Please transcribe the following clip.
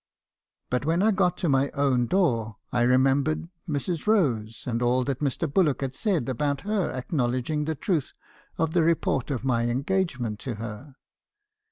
But when I got to my own door, I remembered Mrs. Rose, and all that Mr. Bullock had said about her acknow ledging the truth of the report of my engagement to her.